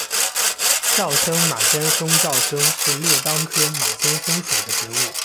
沼生马先蒿沼生是列当科马先蒿属的植物。